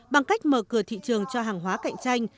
bằng cách mở cửa thị trường cho hàng hóa cạnh tranh